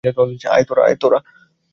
আয়, তোরা।